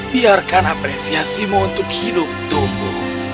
biarkan apresiasimu untuk hidup tumbuh